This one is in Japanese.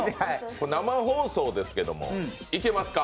生放送ですけども、いけますか？